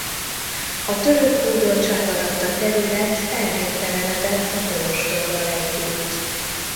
A török hódoltság alatt a terület elnéptelenedett a kolostorral együtt.